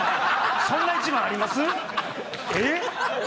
そんな１番あります？